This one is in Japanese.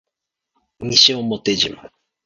西表島